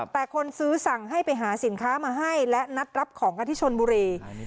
แต่คนซื้อสั่งให้ไปหาสินค้ามาให้และนัดรับของกันที่ชนบุรี